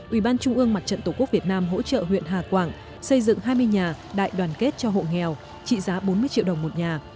ủy ban trung ương mặt trận tổ quốc việt nam hỗ trợ huyện hà quảng xây dựng hai mươi nhà đại đoàn kết cho hộ nghèo trị giá bốn mươi triệu đồng một nhà